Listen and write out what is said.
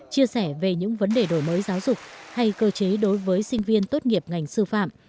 chia sẻ về những vấn đề đổi mới giáo dục hay cơ chế đối với sinh viên tốt nghiệp ngành sư phạm